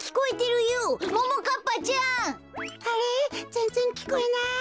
ぜんぜんきこえない。